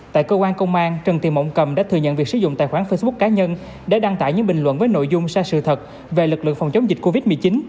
tại cơ quan công an trần thị mộng cầm đã thừa nhận việc sử dụng tài khoản facebook cá nhân để đăng tải những bình luận với nội dung sai sự thật về lực lượng phòng chống dịch covid một mươi chín